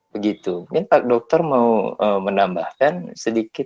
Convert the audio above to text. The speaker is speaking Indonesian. begitu mungkin pak dokter mau menambahkan sedikit